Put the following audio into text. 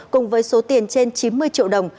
cùng với số tiền trên chín mươi triệu đồng